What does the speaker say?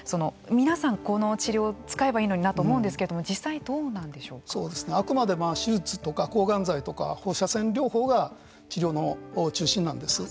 皆さん、この治療を使えばいいのになと思うんですけれどもあくまで手術とか抗がん剤とか放射線療法が治療の中心なんです。